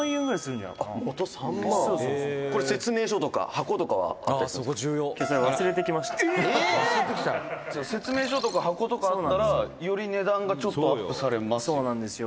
二階堂：「説明書とか箱とかあったら、より値段がちょっとアップされますよ」